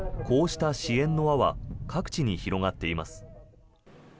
こうした支援の輪は各地に広がっています。